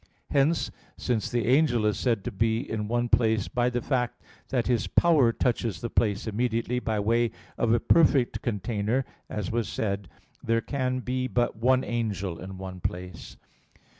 Hence, since the angel is said to be in one place by the fact that his power touches the place immediately by way of a perfect container, as was said (A. 1), there can be but one angel in one place.